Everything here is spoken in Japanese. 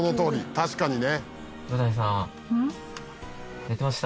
確かにね。